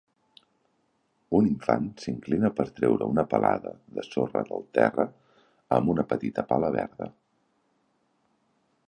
Un infant s'inclina per treure una palada de sorra del terra amb una petita pala verda.